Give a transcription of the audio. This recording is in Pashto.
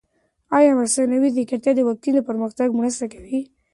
ایا مصنوعي ځیرکتیا د واکسین پرمختګ کې مرسته کوي؟